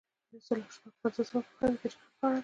یو سل او شپږ پنځوسمه پوښتنه د پیشنهاد په اړه ده.